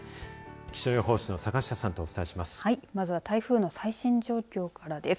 気象予報士の坂下さんとお伝えします。